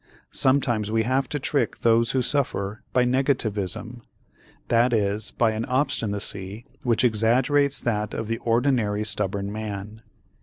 Sometimes we have to trick those who suffer by "negativism," that is by an obstinacy which exaggerates that of the ordinary stubborn man.